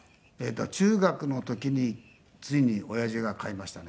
中学の時についに親父が買いましたね。